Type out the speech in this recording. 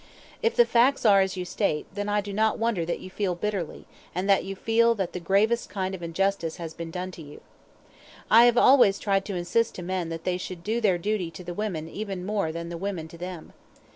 If the facts are as you state, then I do not wonder that you feel bitterly and that you feel that the gravest kind of injustice has been done you. I have always tried to insist to men that they should do their duty to the women even more than the women to them.